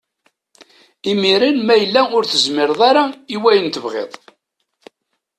Imiren ma yella ur tezmir ara i wayen tebɣiḍ.